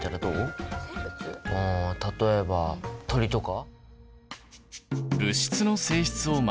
例えば鳥とか？